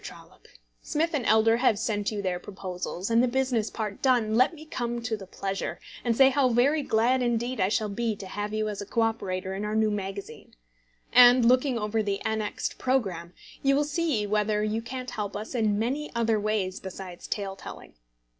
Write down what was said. TROLLOPE, Smith & Elder have sent you their proposals; and the business part done, let me come to the pleasure, and say how very glad indeed I shall be to have you as a co operator in our new magazine. And looking over the annexed programme, you will see whether you can't help us in many other ways besides tale telling.